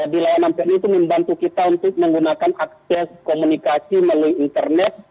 di layanan pn itu membantu kita untuk menggunakan akses komunikasi melalui internet